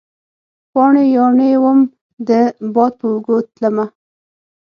پاڼې ، پا ڼې وم د باد په اوږو تلمه